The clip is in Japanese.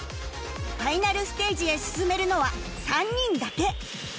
ファイナルステージへ進めるのは３人だけ